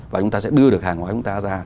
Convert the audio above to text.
và chúng ta sẽ đưa được hàng hóa chúng ta ra